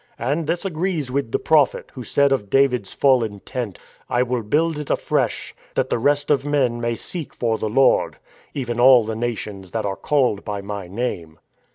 And this agrees with the prophet, who said of David's fallen tent :"' I will build it afresh, That the rest of men may seek for the Lord, Even all the Nations that are called by My Name.'